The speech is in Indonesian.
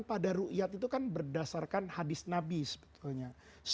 pada ruqyat itu kan berdasarkan hadis nabi sebetulnya